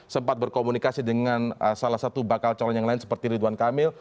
sempat berkomunikasi dengan salah satu bakal calon yang lain seperti ridwan kamil